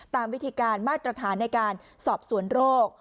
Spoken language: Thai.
ตามวิธีการมาตรฐานในการสอบสวนโรค